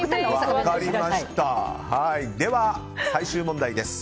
では、最終問題です。